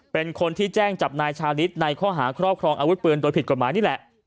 เป็นคนที่แจ้งจับนายชาลิศในข้อหาครอบครองอาวุธปืนโดยผิดกฎหมายนี่แหละ